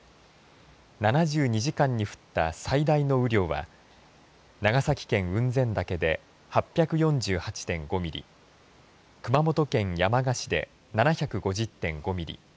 ７２時間に降った最大の雨量は長崎県雲仙岳で８４８．５ミリ熊本県山鹿市で７５５．５ミリ